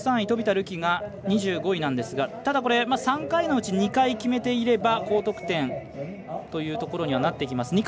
飛田流輝が２５位なんですがただ、３回のうち２回決めていれば高得点というところにはなってきます。